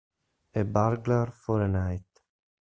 A Burglar for a Night